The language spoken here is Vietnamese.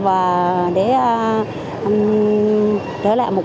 và để trở lại một cuộc sống bình yên lồn an như mỗi ngày